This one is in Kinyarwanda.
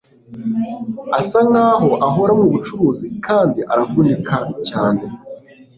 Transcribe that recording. asa nkaho ahora mubucuruzi kandi aravunika cyane